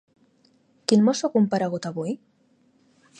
Quin mosso ha comparegut avui?